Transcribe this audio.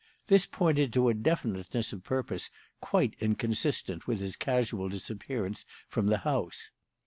This pointed to a definiteness of purpose quite inconsistent with his casual disappearance from the house.